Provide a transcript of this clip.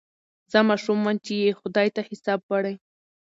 زه ماشوم وم چي یې خدای ته حساب وړی